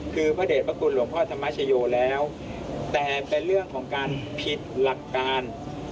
คือพระเด็จพระคุณหลวงพ่อธรรมชโยแล้วแต่เป็นเรื่องของการผิดหลักการ